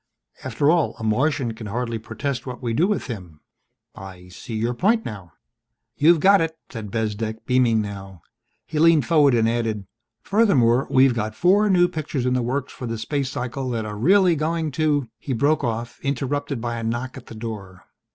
"After all, a Martian can hardly protest what we do with him. I see your point now." "You've got it," said Bezdek, beaming now. He leaned forward and added, "Furthermore, we've got four new pictures in the works for the space cycle that are really going to " He broke off, interrupted by a knock at the door.